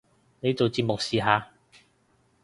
你做節目試下